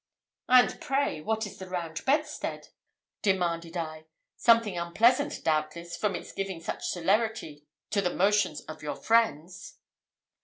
"And pray what is the round bedstead?" demanded I; "something unpleasant, doubtless, from its giving such celerity to the motions of your friends?"